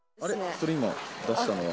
それ今、出したのは？